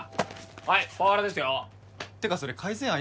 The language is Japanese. はいパワハラですよってかそれ改善案